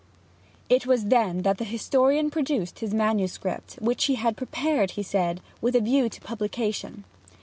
It was then that the historian produced his manuscript, which he had prepared, he said, with a view to publication.